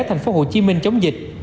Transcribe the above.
thành phố hồ chí minh chống dịch